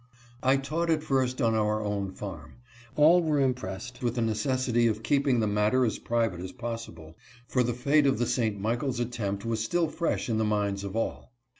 I taught at first on our own farm. All were impressed with the necessity of keeping the matter as private as possible, for the fate of the St. Michaels attempt was still fresh in the minds of all.